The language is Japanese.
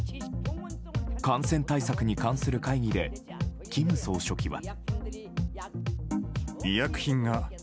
感染対策に関する会議で金総書記は。